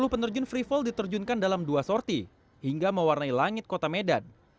dua puluh penerjun free fall diterjunkan dalam dua sorti hingga mewarnai langit kota medan